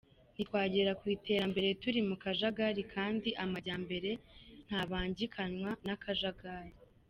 Ntitwagera ku iterambere turi mu kajagari kandi amajyambere ntabangikanywa n’akajagari.